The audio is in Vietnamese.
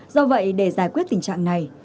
do vậy để giải quyết tình trạng này